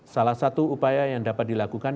salah satu upaya yang dapat dilakukan